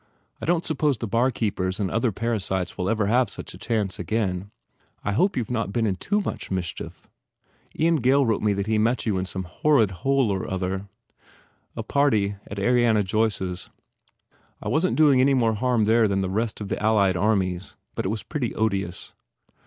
I don t suppose the barkeepers and other para sites will ever have such a chance again." "I hope you ve not been in too much mischief. Ian Gail wrote me that he met you in some hor rid hole or other." "A party at Ariana Joyce s. I wasn t doing any more harm there than the rest of the Allied armies. But it was pretty odious."